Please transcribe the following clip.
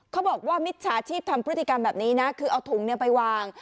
เขาบอกว่ามิจฉาชีพทำพฤติกรรมแบบนี้นะคือเอาถุงเนื้อไปวาง